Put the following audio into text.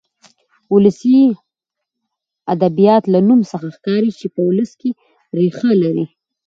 ولسي ادبيات له نوم څخه ښکاري چې په ولس کې ريښه لري.